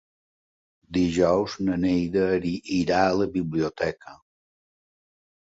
Dijous na Neida irà a la biblioteca.